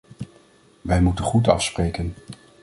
Wij moeten goed afspreken.